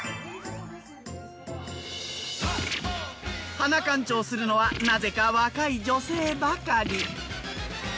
鼻カンチョウするのはなぜか若い女性ばかり。